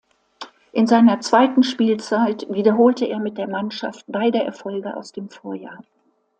In seiner zweiten Spielzeit wiederholte er mit der Mannschaft beide Erfolge aus dem Vorjahr.